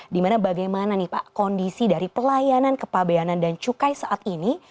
dimana bagaimana nih pak kondisi dari pelayanan kepabeanan dan cukai saat ini